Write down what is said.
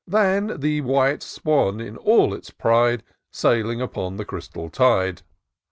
Than the white swan, in all its pride, Sailing upon the crystal tide.